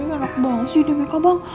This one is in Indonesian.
anak banget sih dia meka bang